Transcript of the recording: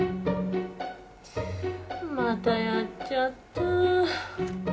またやっちゃった。